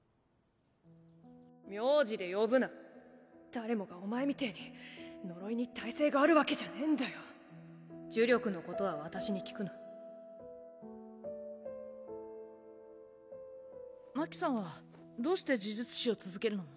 名字で呼ぶな誰もがお前みてぇに呪いに耐性があ呪力のことは私に聞くな真希さんはどうして呪術師を続けるの？